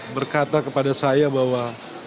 berkata kepada saya bahwa